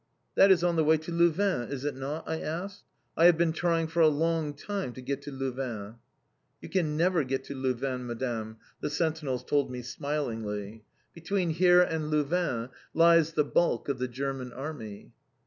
"That is on the way to Louvain, is it not?" I asked. "I have been trying for a long time to get to Louvain!" "You can never get to Louvain, Madam," the sentinels told me smilingly. "Between here and Louvain lies the bulk of the German Army."